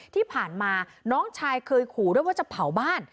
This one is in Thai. ที่ผ่านมาน้องชายเคยขู่ด้วยว่าจะเผาบ้าน